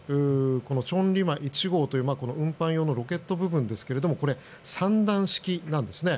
この千里馬１号という運搬用のロケット部分ですが３段式なんですね。